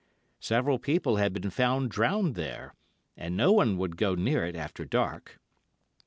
Several people had been found drowned there, and no one would go near it after dark.